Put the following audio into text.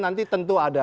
nanti tentu ada